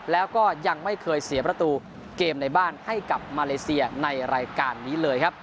แล้วก็ยังไม่เคยเสียประตูเกมในบ้านให้กับมาเลเซียในรายการนี้เลยครับ